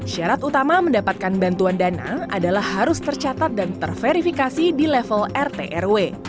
syarat utama mendapatkan bantuan dana adalah harus tercatat dan terverifikasi di level rt rw